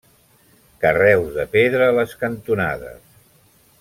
Carreus de pedra a les cantonades.